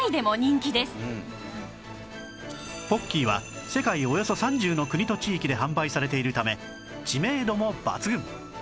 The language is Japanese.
ポッキーは世界およそ３０の国と地域で販売されているため知名度も抜群